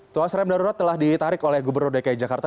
tuas rem darurat telah ditarik oleh gubernur dki jakarta